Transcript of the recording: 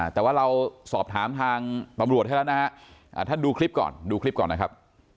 แต่ว่าเราสอบถามทางตำรวจให้แล้วนะฮะท่านดูคลิปก่อนดูคลิปก่อนนะครับ